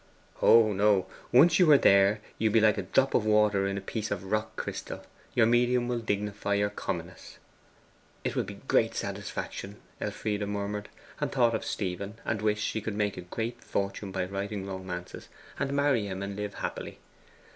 'Oh no; once you are there you'll be like a drop of water in a piece of rock crystal your medium will dignify your commonness.' 'It will be a great satisfaction,' Elfride murmured, and thought of Stephen, and wished she could make a great fortune by writing romances, and marry him and live happily.